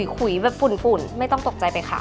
คุยแบบฝุ่นไม่ต้องตกใจไปค่ะ